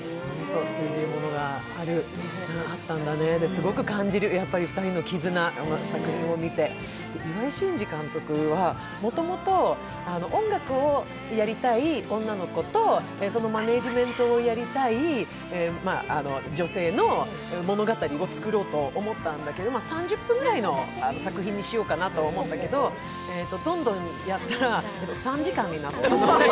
すごく感じる２人の絆、作品を見て、岩井俊二監督はもともと音楽をやりたい女の子とそのマネージメントをやりたい女性の物語をやりたいと思って３０分くらいの作品にしようかなと思ったけど、どんどんやったら３時間になったと。